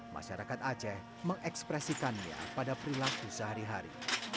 masyarakat aceh mengekspresikannya pada perilaku sehari hari